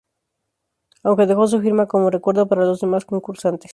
Aunque dejó su firma como recuerdo para los demás concursantes.